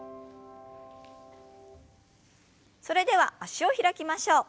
それでは脚を開きましょう。